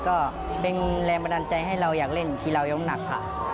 ก็เป็นแรงบันดาลใจให้เราอยากเล่นกีฬายกน้ำหนักค่ะ